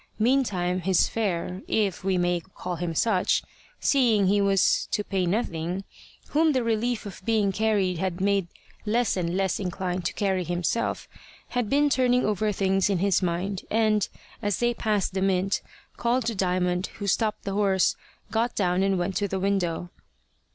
Meantime his fare, if we may call him such, seeing he was to pay nothing, whom the relief of being carried had made less and less inclined to carry himself, had been turning over things in his mind, and, as they passed the Mint, called to Diamond, who stopped the horse, got down and went to the window.